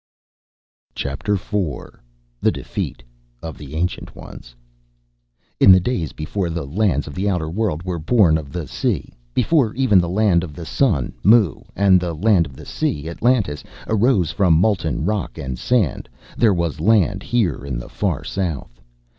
CHAPTER FOUR The Defeat of the Ancient Ones "In the days before the lands of the outer world were born of the sea, before even the Land of the Sun (Mu) and the Land of the Sea (Atlantis) arose from molten rock and sand, there was land here in the far south.